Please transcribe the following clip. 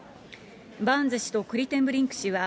バーンズ氏とクリテンブリンク氏は、